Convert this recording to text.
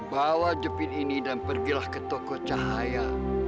bawa jepin ini dan pergilah ke toko cahaya